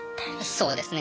そうですね。